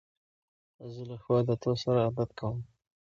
زه له ښو عادتو سره عادت کوم.